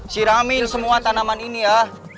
siramil semua tanaman ini ya